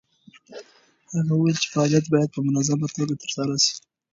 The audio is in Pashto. هغه وویل چې فعالیت باید په منظمه توګه ترسره شي.